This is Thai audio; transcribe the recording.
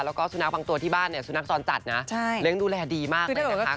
แล้วก็สุนัขบางตัวที่บ้านเนี่ยสุนัขจรจัดนะเลี้ยงดูแลดีมากเลยนะคะ